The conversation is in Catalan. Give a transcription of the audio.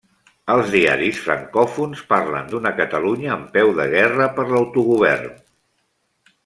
Els diaris francòfons parlen d'una Catalunya en peu de guerra per l'autogovern.